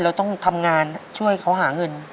เราต้องทำงานช่วยเขาหาเงิน